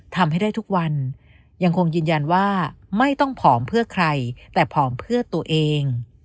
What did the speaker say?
ทำให้ได้ทุกวันยังคงยืนยันว่าไม่ต้องผอมเพื่อใครแต่ผอมเพื่อตัวเอง